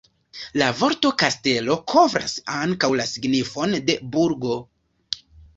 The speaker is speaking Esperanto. La vorto "kastelo" kovras ankaŭ la signifon de "burgo".